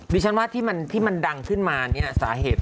ดิฉันว่าที่มันดังขึ้นมาเนี่ยสาเหตุ